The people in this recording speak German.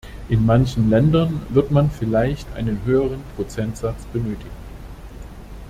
In manchen Ländern wird man vielleicht einen höheren Prozentsatz benötigen.